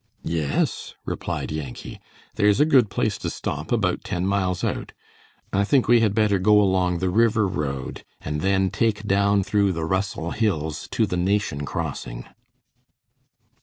"Yes," replied Yankee. "There's a good place to stop, about ten miles out. I think we had better go along the river road, and then take down through the Russell Hills to the Nation Crossing."